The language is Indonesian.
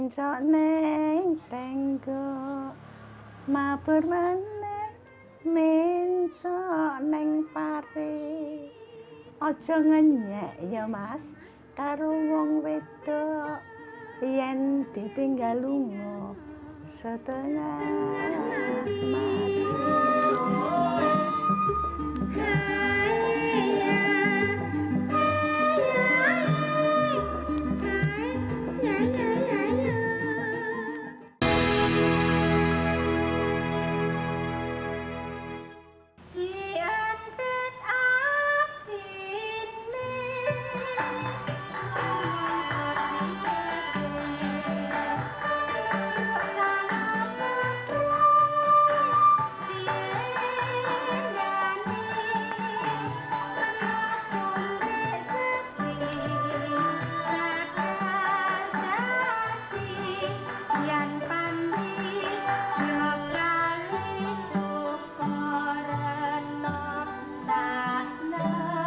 sampai jumpa di video selanjutnya